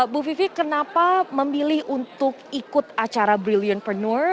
bu vivi kenapa memilih untuk ikut acara brilliantpreneur